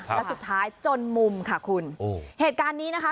และสุดท้ายจนมุมค่ะคุณโอ้เหตุการณ์นี้นะคะ